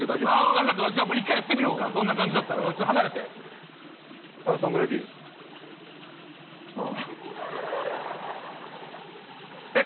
分かったじゃ１回やってみようかそんな感じだったらちょ離れてそんぐらいでいいよえっ